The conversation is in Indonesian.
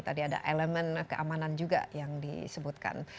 tadi ada elemen keamanan juga yang disebutkan